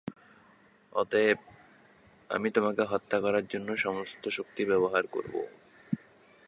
অতএব, আমি তোমাকে হত্যা করার জন্য আমার সমস্ত শক্তি ব্যবহার করব।